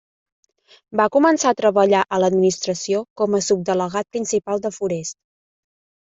Va començar a treballar a l'Administració com a Subdelegat Principal de Forests.